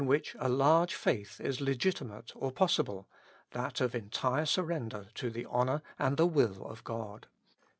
which a large faith is legitimate or possible, — that of entire surrender to the honor and the will of God.